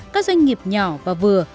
các doanh nghiệp nhỏ và vừa